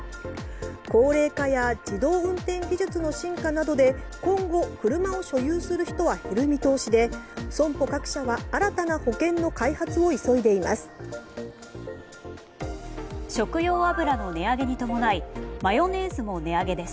高齢化や自動運転技術の進化などで今後、車を所有する人は減る見通しで損保各社は新たな保険の開発を急いでいます。